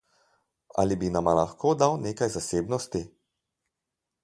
Ali bi nama lahko dal nekaj zasebnosti?